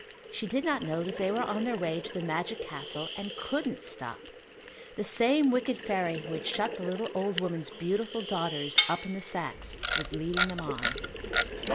She did not know that they were on their way to the magic castle and couldn't stop. The same wicked fairy who had shut the little old woman's beautiful daughters up in the sacks, was leading them on.